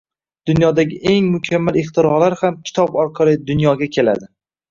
Dunyodagi eng mukammal ixtirolar ham kitob orqali dunyoga keladi